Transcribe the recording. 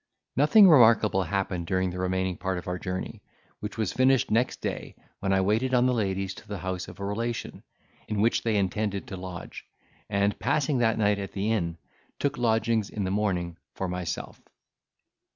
Nothing remarkable happened during the remaining part of our journey, which was finished next day, when I waited on the ladies to the house of a relation, in which they intended to lodge, and, passing that night at the inn, took lodgings in the morning for myself.